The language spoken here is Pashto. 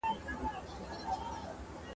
د ښځي اره دنده